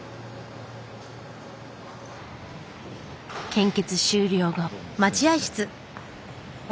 献血終了後。